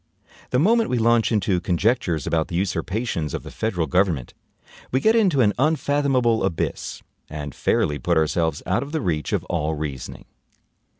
The moment we launch into conjectures about the usurpations of the federal government, we get into an unfathomable abyss, and fairly put ourselves out of the reach of all reasoning.